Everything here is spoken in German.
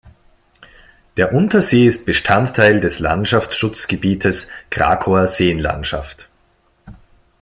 Der Untersee ist Bestandteil des Landschaftsschutzgebietes Krakower Seenlandschaft.